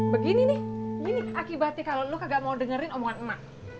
begini nih ini akibatnya kalo lo kagak mau dengerin omongan emak